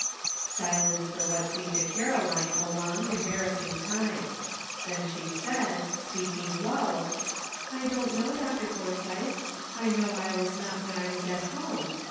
" Silence for what seemed to Caroline a long embarrassing time ; then she said, speaking low : "I don't know. Dr. Forsythe ; I know I was not when I was at home.